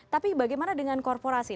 tapi bagaimana dengan korporasi